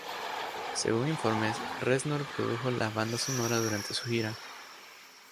Según informes, Reznor produjo la banda sonora durante su gira.